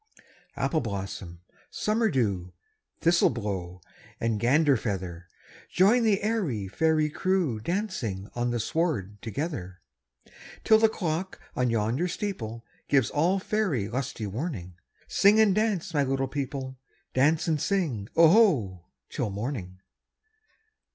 Appleblossom, Summerdew, Thistleblow, and Ganderfeather! Join the airy fairy crewDancing on the sward together! Till the cock on yonder steepleGives all faery lusty warning, Sing and dance, my little people,—Dance and sing "Oho" till morning!